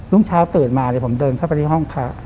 ่งเช้าตื่นมาผมเดินเข้าไปที่ห้องพระ